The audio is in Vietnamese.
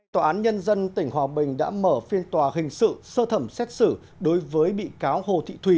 tòa án nhân dân tỉnh hòa bình đã mở phiên tòa hình sự sơ thẩm xét xử đối với bị cáo hồ thị thùy